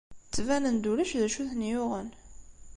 Ttbanen-d ulac d acu i ten-yuɣen.